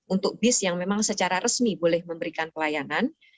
untuk bis yang memang secara resmi boleh memberikan pelayanan